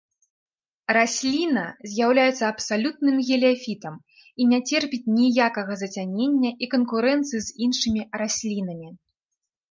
Расліна з'яўляецца абсалютным геліяфітам і не церпіць ніякага зацянення і канкурэнцыі з іншымі раслінамі.